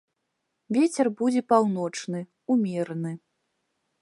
Вецер будзе паўночны, умераны.